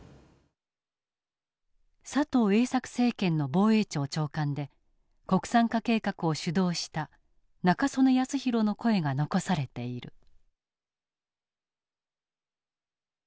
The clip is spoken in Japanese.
佐藤栄作政権の防衛庁長官で国産化計画を主導した中曽根康弘の声が残されている。